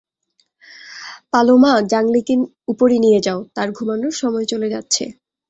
Paloma, জাংলিকে উপরে নিয়ে যাও, তার ঘুমানোর সময় চলে যাচ্ছে।